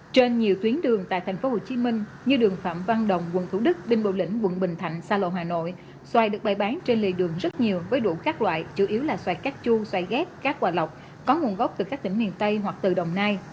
trên nhiều tuyến đường tại tp hcm như đường phạm văn đồng quận thủ đức đinh bộ lĩnh quận bình thạnh xa lộ hà nội xoài được bày bán trên lề đường rất nhiều với đủ các loại chủ yếu là xoài cát chu xoài ghét các quà lọc có nguồn gốc từ các tỉnh miền tây hoặc từ đồng nai